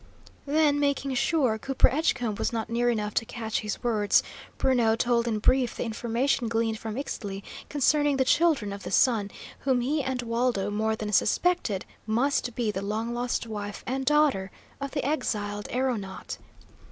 Then, making sure Cooper Edgecombe was not near enough to catch his words, Bruno told in brief the information gleaned from Ixtli concerning the Children of the Sun, whom he and Waldo more than suspected must be the long lost wife and daughter of the exiled aeronaut.